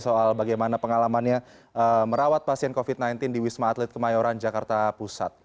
soal bagaimana pengalamannya merawat pasien covid sembilan belas di wisma atlet kemayoran jakarta pusat